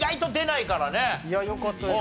いやよかったです。